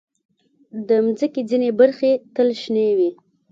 د مځکې ځینې برخې تل شنې وي.